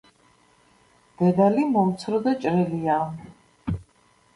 დედალი მომცრო და ჭრელია.